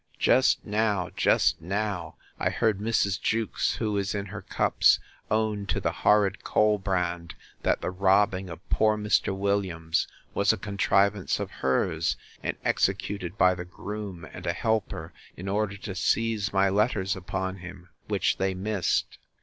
Just now, just now! I heard Mrs. Jewkes, who is in her cups, own to the horrid Colbrand, that the robbing of poor Mr. Williams was a contrivance of hers, and executed by the groom and a helper, in order to seize my letters upon him, which they missed.